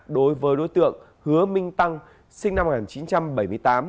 đối với đối tượng hứa minh tăng sinh năm một nghìn chín trăm bảy mươi tám